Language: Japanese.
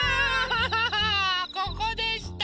ここでした！